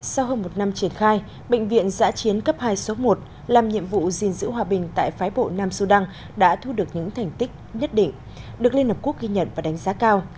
sau hơn một năm triển khai bệnh viện giã chiến cấp hai số một làm nhiệm vụ gìn giữ hòa bình tại phái bộ nam sudan đã thu được những thành tích nhất định được liên hợp quốc ghi nhận và đánh giá cao